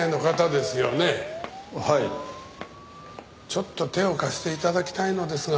ちょっと手を貸して頂きたいのですが。